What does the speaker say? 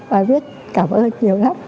bà biết cảm ơn nhiều lắm